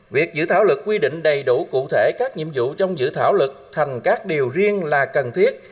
việc dự thảo lực quy định đầy đủ cụ thể các nhiệm vụ trong dự thảo lực thành các điều riêng là cần thiết